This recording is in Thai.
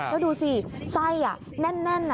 แล้วดูสิไส้แน่น